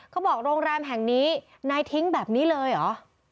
โรงแรมแห่งนี้นายทิ้งแบบนี้เลยเหรอ